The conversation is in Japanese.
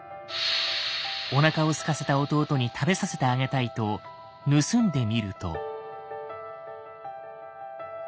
おなかをすかせた弟に食べさせてあげたいと盗んでみると。